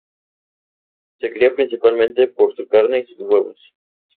Se cría principalmente por su carne y sus huevos.